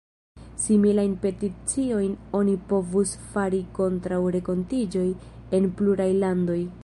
Similajn peticiojn oni povus fari kontraŭ renkontiĝoj en pluraj landoj.